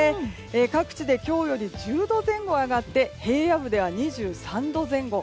各地で今日より１０度前後上がって平野部では２３度前後。